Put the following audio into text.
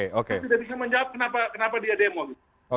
saya tidak bisa menjawab kenapa dia demo